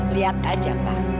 lihat aja pa